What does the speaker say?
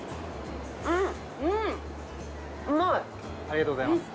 ありがとうございます。